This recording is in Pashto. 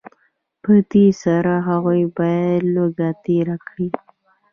په دې سره هغوی باید لوږه تېره کړي